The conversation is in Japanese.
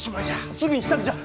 すぐに支度じゃ！